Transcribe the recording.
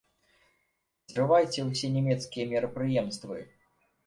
Зрывайце ўсе нямецкія мерапрыемствы!